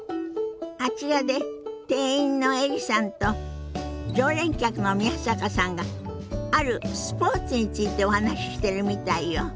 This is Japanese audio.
あちらで店員のエリさんと常連客の宮坂さんがあるスポーツについてお話ししてるみたいよ。